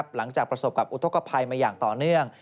หลังจากประสบกับอุทธกภัยมาอย่างต่อเนื่อง